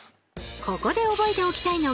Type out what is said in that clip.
ここで覚えておきたいのが「複利効果」。